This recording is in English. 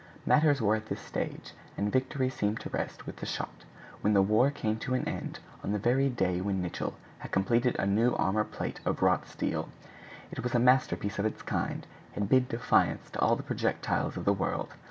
Matters were at this stage, and victory seemed to rest with the shot, when the war came to an end on the very day when Nicholl had completed a new armor plate of wrought steel. It was a masterpiece of its kind, and bid defiance to all the projectiles of the world.